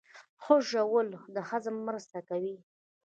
ښه ژوول د هضم مرسته کوي